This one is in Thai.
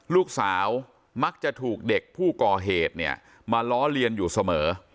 ลูกสาวมักจะถูกเด็กผู้ก่อเหตุเนี่ยมาล้อเลียนอยู่เสมอ